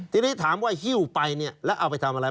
ทีนี้ถามว่าฮิ้วไปเนี่ยแล้วเอาไปทำอะไร